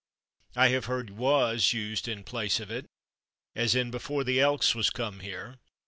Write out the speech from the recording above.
I have heard /was/ used in place of it, as in "before the Elks /was/ come here."